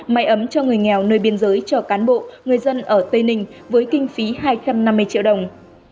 máy ấm cho người nghèo nơi biên giới cho cán bộ người dân ở tây ninh với kinh phí hai trăm năm mươi triệu đồng